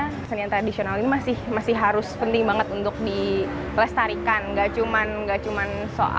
kesenian tradisional ini masih harus penting banget untuk dilestarikan